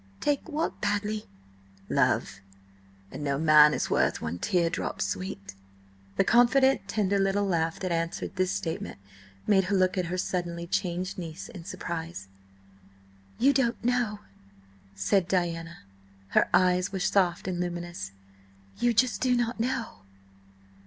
"Take what badly?" "Love. And no man is worth one tear drop, sweet." The confident, tender little laugh that answered this statement made her look at her suddenly changed niece in surprise. "You don't know," said Diana. Her eyes were soft and luminous. "You just do not know."